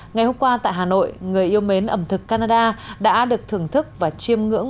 ngày hôm qua tại hà nội người yêu mến ẩm thực canada đã được thưởng thức và chiêm ngưỡng